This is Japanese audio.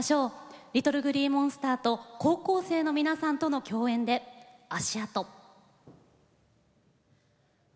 ＬｉｔｔｌｅＧｌｅｅＭｏｎｓｔｅｒと高校生の皆さんとの共演です。